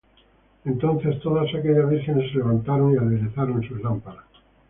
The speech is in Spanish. Entonces todas aquellas vírgenes se levantaron, y aderezaron sus lámparas.